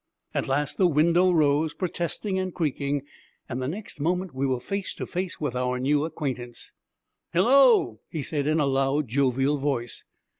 At last the window rose, protesting and creaking, and the next moment we were face to face with our new acquaintance. 'Hello!' he said, in a loud, jovial voice.